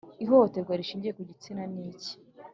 Ihohoterwa rishingiye ku gitsina ni iki?